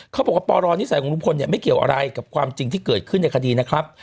เขาบอกว่าปรนิสัยของลุงพลเนี่ยไม่เกี่ยวอะไรกับความจริงที่เกิดขึ้นในคดีนะครับ